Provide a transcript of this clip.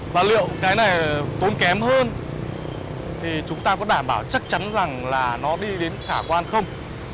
và liệu cái này tốn kém hơn thì chúng ta có đảm bảo chắc chắn rằng là nó đi đến khả quan không